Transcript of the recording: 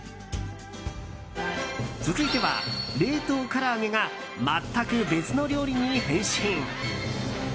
続いては、冷凍から揚げが全く別の料理に変身。